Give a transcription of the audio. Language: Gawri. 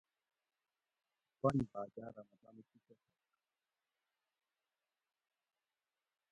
پنج باٞجاٞ رہ مٞہ تانی شی کٞہ پھڄ